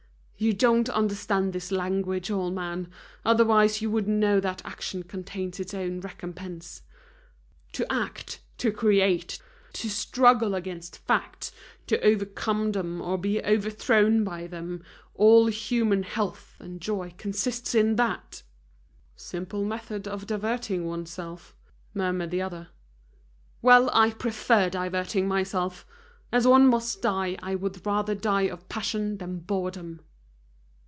You don't understand this language, old man, otherwise you would know that action contains its own recompense. To act, to create, to struggle against facts, to overcome them or be overthrown by them, all human health and joy consists in that!" "Simple method of diverting one's self," murmured the other. "Well, I prefer diverting myself. As one must die, I would rather die of passion than boredom!"